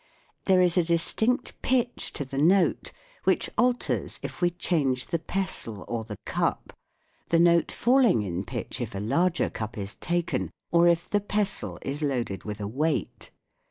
There is a distinct pitch to the note, which alters if we change the pestle or the cup ; the note falling in pitch if a larger cup is taken, or if the pestle is loaded with a weight.